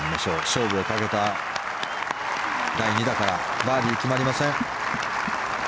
勝負をかけた第２打からバーディー決まりません。